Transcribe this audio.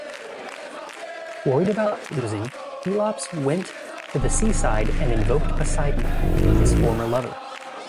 Worried about losing, Pelops went to the seaside and invoked Poseidon, his former lover.